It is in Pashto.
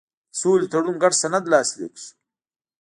د سولې تړون ګډ سند لاسلیک شو.